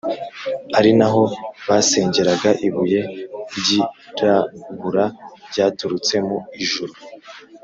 ari na ho basengeraga ibuye ryirabura ryaturutse mu ijuru.